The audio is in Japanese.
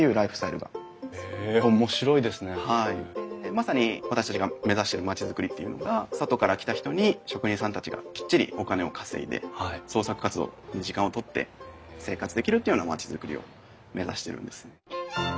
まさに私たちが目指している町づくりっていうのが外から来た人に職人さんたちがきっちりお金を稼いで創作活動に時間をとって生活できるっていうような町づくりを目指しているんです。